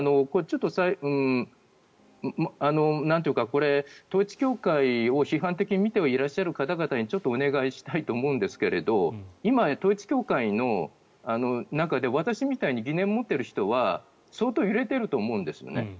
これ、統一教会を批判的に見ていらっしゃる方々にお願いしたいと思うんですが今、統一教会の中で私みたいに疑念を持っている人は相当揺れてると思うんですよね。